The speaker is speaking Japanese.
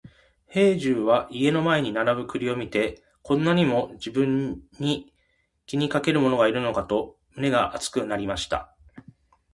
兵十は家の前に並ぶ栗を見て、こんなにも自分を気にかける者がいるのかと胸が熱くなりました。